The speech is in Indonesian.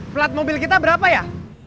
plat mobil kita berapa ya